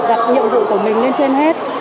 đặt nhiệm vụ của mình lên trên hết